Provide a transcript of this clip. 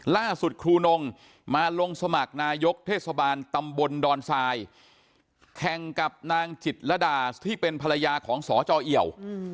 ครูนงมาลงสมัครนายกเทศบาลตำบลดอนทรายแข่งกับนางจิตรดาที่เป็นภรรยาของสจเอี่ยว